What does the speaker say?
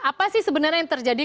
apa sih sebenarnya yang terjadi